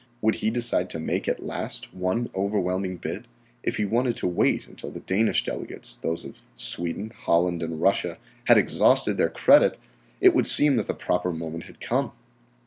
Would he decide to make at last one overwhelming bid? If he wanted to wait until the Danish delegates, those of Sweden, Holland, and Russia had exhausted their credit, it would seem that the proper moment had come.